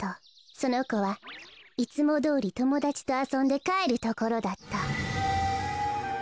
そのこはいつもどおりともだちとあそんでかえるところだった。